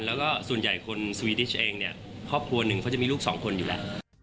แล้วก็ส่วนใหญ่คนสวีดิชเองเนี่ยครอบครัวหนึ่งเขาจะมีลูกสองคนอยู่แล้ว